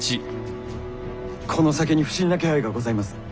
この先に不審な気配がございます。